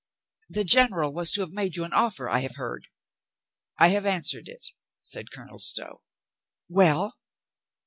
"The General was to make you an offer, I have heard." "I have answered it," said Colonel Stow. "Well?"